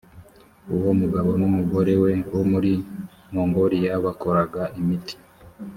uwo mugabo n’ umugore we bo muri mongoliya bakoraga imiti.